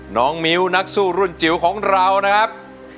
น้องมิ้วนักสู้รุ่นจิ๋วของเรานะครับ